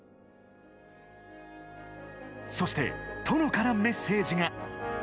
そして、殿からメッセージが。